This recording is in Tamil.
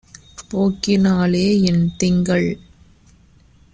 போக்கினா லேஎன் திங்கள்!